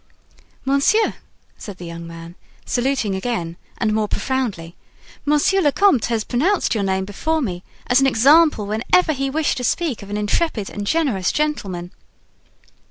"Monsieur," said the young man, saluting again and more profoundly, "monsieur le comte has pronounced your name before me as an example whenever he wished to speak of an intrepid and generous gentleman."